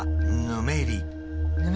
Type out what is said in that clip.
ぬめり。